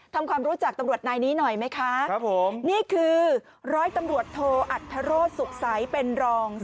ทำความรู้จักตำรวจนายนี้หน่อยไหมคะครับผมนี่คือร้อยตำรวจโทอัธโรธสุขใสเป็นรอง